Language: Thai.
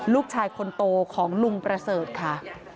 ลูกชายคนโตของลุงประเสริฐค่ะ